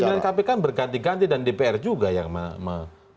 tapi kan pimpinan pimpinan kpk berganti ganti dan dpr juga yang mengeksleksi itu